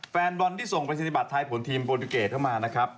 แฟนบรรที่ส่งประชานิบัติไทยภูมิทีมโบร์นิเกศเข้ามานะครับ